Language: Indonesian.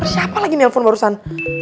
siapa lagi nelfon barusan